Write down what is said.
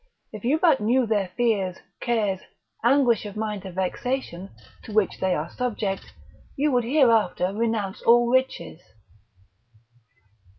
if you but knew their fears, cares, anguish of mind and vexation, to which they are subject, you would hereafter renounce all riches.